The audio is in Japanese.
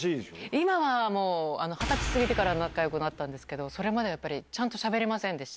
今はもう、２０歳過ぎてから仲よくなったんですけど、それまでやっぱりちゃんとしゃべれませんでした。